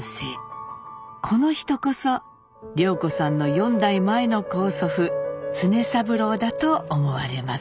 この人こそ涼子さんの４代前の高祖父常三郎だと思われます。